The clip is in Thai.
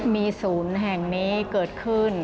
มีศูนย์แห่งนี้เกิดขึ้น